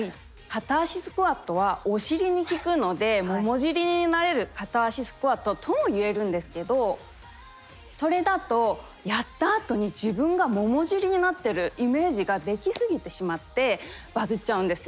片足スクワットはお尻に効くので「桃尻になれる片足スクワット」とも言えるんですけどそれだとやったあとに自分が桃尻になってるイメージができすぎてしまってバズっちゃうんですよね。